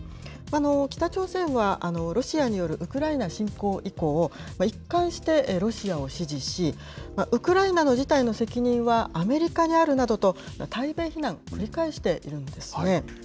北朝鮮はロシアによるウクライナ侵攻以降、一貫してロシアを支持し、ウクライナの事態の責任はアメリカにあるなどと、対米非難を繰り返しているんですね。